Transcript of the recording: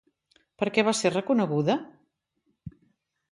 Per què va ser reconeguda?